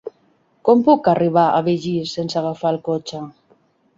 Com puc arribar a Begís sense agafar el cotxe?